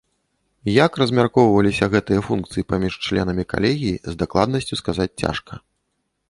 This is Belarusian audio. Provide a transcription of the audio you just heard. Як размяркоўваліся гэтыя функцыі паміж членамі калегіі, з дакладнасцю сказаць цяжка.